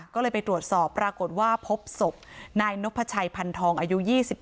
ก็เลยไปตรวจสอบปรากฏว่าพบศพนายนพชัยพันธองอายุ๒๑